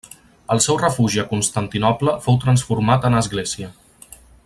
El seu refugi a Constantinoble fou transformat en església.